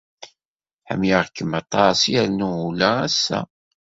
Ḥemmleɣ-kem aṭas yernu ula ass-a.